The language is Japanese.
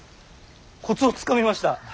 コツをつかみました。